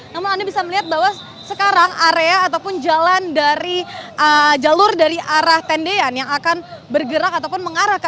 namun anda bisa melihat bahwa sekarang area ataupun jalan dari jalur dari arah tendean yang akan bergerak ataupun mengarah ke